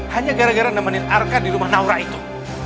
hanya gara gara nemenin arka di rumah naura itu